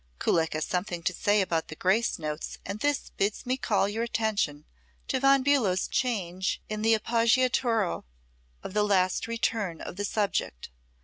Kullak has something to say about the grace notes and this bids me call your attention to Von Bulow's change in the appoggiatura at the last return of the subject.